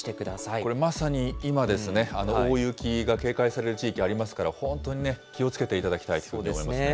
これまさに今、大雪が警戒される地域ありますから、本当にね、気をつけていただきたいと思いますね。